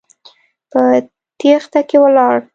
په تېښته کې ولاړ.